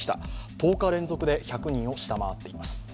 １０日連続で１００人を下回っています。